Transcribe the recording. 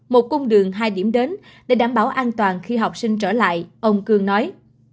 một cung đường hai điểm đến để đảm bảo an toàn khi học sinh trở lại ông cương nói